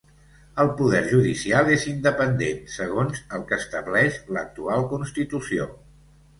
El poder judicial és independent, segons el que estableix l'actual Constitució.